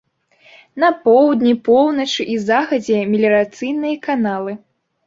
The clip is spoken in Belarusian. На поўдні, поўначы і захадзе меліярацыйныя каналы.